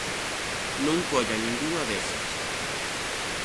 Non collan ningunha desas.